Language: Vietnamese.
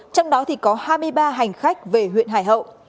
trong đó thì có hai mươi ba hành khách về huyện hải hậu